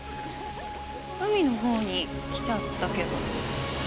海のほうに来ちゃったけど。